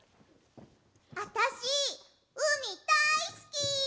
あたしうみだいすき！